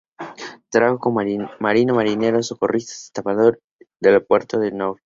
Trabajó como marinero, marinero-socorrista y estibador del puerto de Novorosíisk.